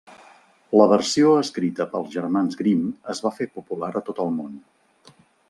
La versió escrita pels germans Grimm es va fer popular a tot el món.